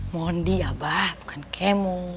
mondi abah bukan kemo